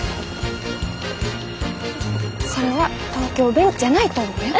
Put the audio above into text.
それは東京弁じゃないと思うよ。